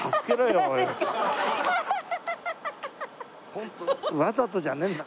ホントわざとじゃねえんだ。